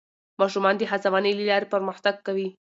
ماشومان د هڅونې له لارې پرمختګ کوي